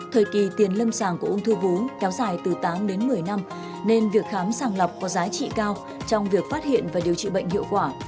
thời kỳ tiền lâm sàng của ung thư vú kéo dài từ tám đến một mươi năm nên việc khám sàng lọc có giá trị cao trong việc phát hiện và điều trị bệnh hiệu quả